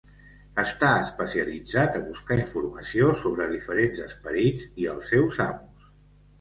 Està especialitzat a buscar informació sobre diferents esperits i els seus amos.